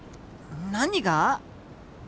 何が？